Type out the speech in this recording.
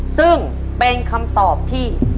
ซึ่งเป็นคำตอบที่